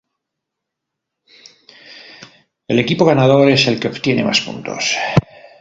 El equipo ganador es el que obtiene más puntos.